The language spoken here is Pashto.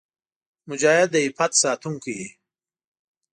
مجاهد د عفت ساتونکی وي.